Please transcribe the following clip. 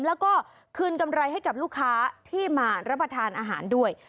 แล้วก็คืนกำไรให้กับลูกค้าที่มารับประทานอาหารด้วย